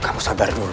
kamu sabar dulu